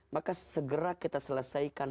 maka segera kita selesaikan